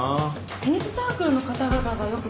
テニスサークルの方々がよく来ますよ。